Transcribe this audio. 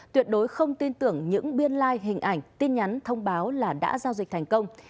tuyệt đối không tin tưởng những biên lai hình ảnh tin nhắn thông báo là đã giao dịch thành công